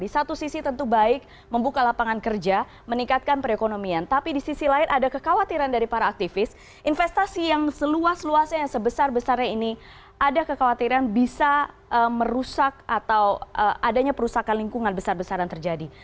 di satu sisi tentu baik membuka lapangan kerja meningkatkan perekonomian tapi di sisi lain ada kekhawatiran dari para aktivis investasi yang seluas luasnya sebesar besarnya ini ada kekhawatiran bisa merusak atau adanya perusakan lingkungan besar besaran terjadi